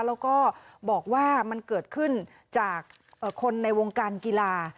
แล้วก็บอกว่ามันเกิดขึ้นจากคนในวงการกีฬา